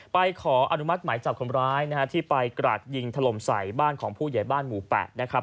ขออนุมัติหมายจับคนร้ายนะฮะที่ไปกราดยิงถล่มใส่บ้านของผู้ใหญ่บ้านหมู่๘นะครับ